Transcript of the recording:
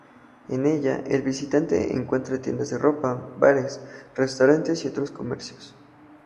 En ella, el visitante encuentra tiendas de ropa, bares, restaurantes y otros comercios.